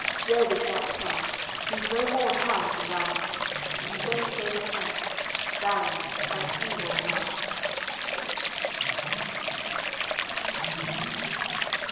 Dead is that count, he's no more time to run. Then say the Franks: "Baron, an evil luck!"